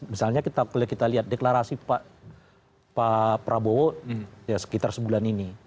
misalnya kalau kita lihat deklarasi pak prabowo ya sekitar sebulan ini